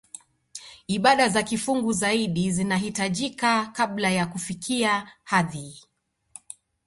Ibada za kifungu zaidi zinahitajika kabla ya kufikia hadhi